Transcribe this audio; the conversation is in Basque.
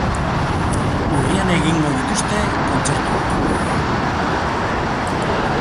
Urrian egingo dituzte kontzertuak.